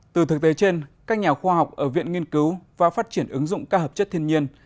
từ thực tế trên các nhà khoa học ở viện nghiên cứu và phát triển ứng dụng các hợp chất thiên nhiên